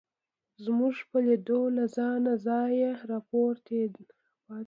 زموږ په لیدو له خپله ځایه راپاڅېد.